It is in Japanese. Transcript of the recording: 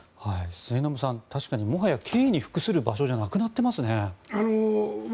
末延さん、確かにもはや刑に服する場所じゃなくなってますね。